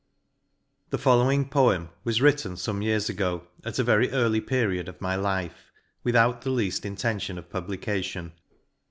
THE follmsoing Poem was written fome years ago, at a very early period of life^ without the leajl intentio7i of publication.